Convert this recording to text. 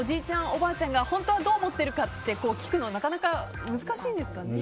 おばあちゃんが本当はどう思っているか聞くのは難しいんですかね。